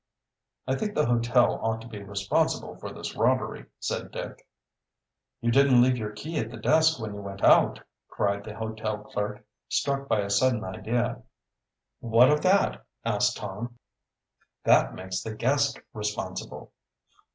"I think the hotel ought to be responsible for this robbery," said Dick. "You didn't leave your key at the desk when you went out," cried the hotel clerk, struck by a sudden idea. "What of that?" asked Tom. "That makes the guest responsible."